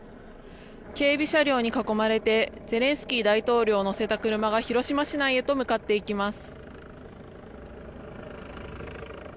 警備車両に囲まれてゼレンスキー大統領を乗せた車が広島市内へと向かっていきます。